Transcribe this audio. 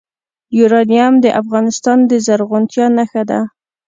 یورانیم د افغانستان د زرغونتیا نښه ده.